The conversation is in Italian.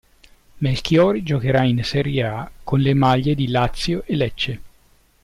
Melchiori giocherà in serie A con le maglie di Lazio e Lecce.